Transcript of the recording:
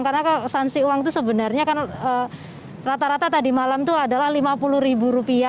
karena sanksi uang itu sebenarnya rata rata tadi malam itu adalah rp lima puluh